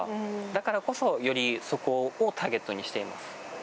だからこそそこをターゲットにしています。